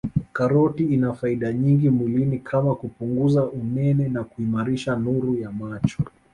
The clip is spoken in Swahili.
Karoti ina faida nyingi mwilini kama kupunguza unene na kuimarisha nuru ya macho